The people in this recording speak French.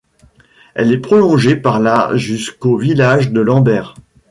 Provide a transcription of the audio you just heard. Elle est prolongée par la jusqu’au village de Lambert.